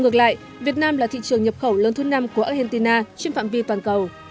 tại việt nam là thị trường nhập khẩu lớn thứ năm của argentina trên phạm vi toàn cầu